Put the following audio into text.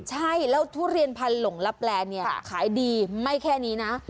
ใช่แล้วทุเรียนพันธหลงลับแลนเนี่ยขายดีไม่แค่นี้นะ